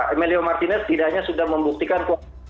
emilio martinez tidak hanya sudah membuktikan